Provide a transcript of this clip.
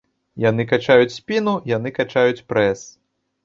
Яны качаюць спіну, яны качаюць прэс!